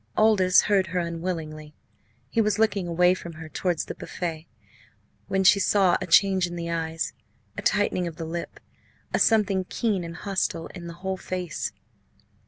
Aldous heard her unwillingly. He was looking away from her towards the buffet, when she saw a change in the eyes a tightening of the lip a something keen and hostile in the whole face.